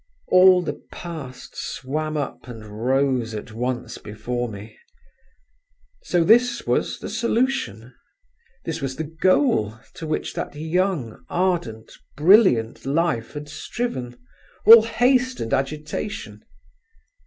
All the past swam up and rose at once before me. So this was the solution, this was the goal to which that young, ardent, brilliant life had striven, all haste and agitation!